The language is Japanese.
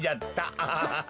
アハハハ。